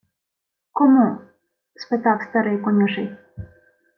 — Кому? — спитав старий конюший.